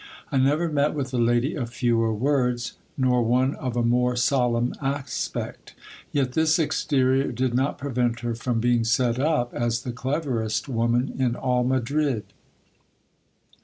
I never met with a lady of fewer words, nor one of a more solemn aspect. Yet this exterior did not prevent her from being set up as the cleverest woman in all Madrid.